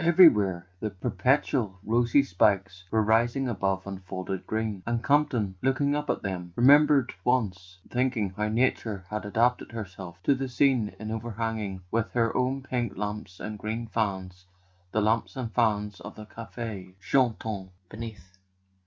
Everywhere the punc¬ tual rosy spikes were rising above unfolding green; and Campton, looking up at them, remembered once thinking how Nature had adapted herself to the scene in overhanging with her own pink lamps and green fans the lamps and fans of the cafes chantants beneath.